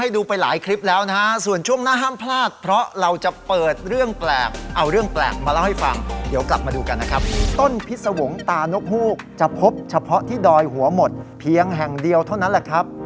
เดี๋ยวกลับมาดูกันนะครับต้นพิษวงตานกภูกจะพบเฉพาะที่ดอยหัวหมดเพียงแห่งเดียวเท่านั้นแหละครับ